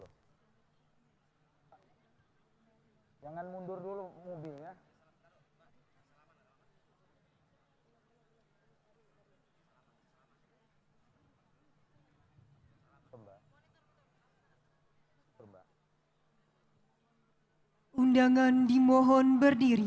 hai pembahas hai pembahas hai undangan dimohon berdiri